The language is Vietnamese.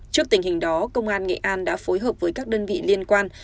trước tình hình đó công an nghệ an đã phối hợp với các đơn vị liên quan